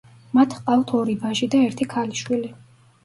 მათ ჰყავთ ორი ვაჟი და ერთი ქალიშვილი.